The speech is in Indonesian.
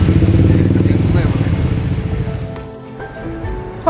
jadi yang susah ya bapak